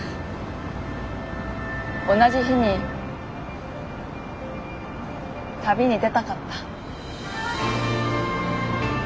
同じ日に旅に出たかった。